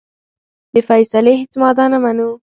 د فیصلې هیڅ ماده نه منو.